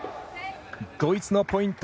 ドイツのポイント。